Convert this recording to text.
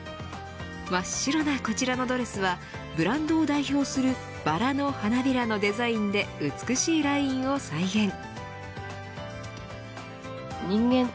真っ白なこちらのドレスはブランドを代表するバラの花びらのデザインで美しいラインを再現。